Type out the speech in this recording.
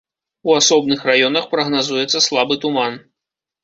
У асобных раёнах прагназуецца слабы туман.